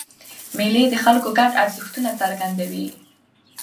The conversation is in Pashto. مېلې د خلکو ګډ ارزښتونه څرګندوي.